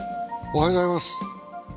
おはようございます。